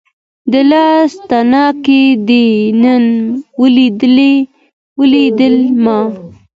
د لاس تڼاکې دې نن ولیدې ما